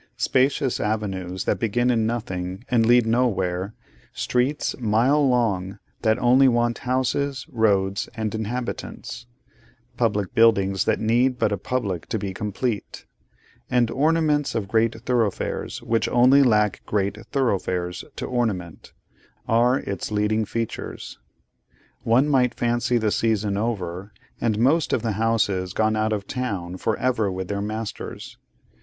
Spacious avenues, that begin in nothing, and lead nowhere; streets, mile long, that only want houses, roads and inhabitants; public buildings that need but a public to be complete; and ornaments of great thoroughfares, which only lack great thoroughfares to ornament—are its leading features. One might fancy the season over, and most of the houses gone out of town for ever with their masters.